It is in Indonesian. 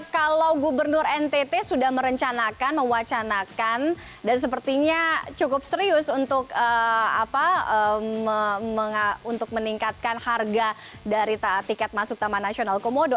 kalau gubernur ntt sudah merencanakan mewacanakan dan sepertinya cukup serius untuk meningkatkan harga dari tiket masuk taman nasional komodo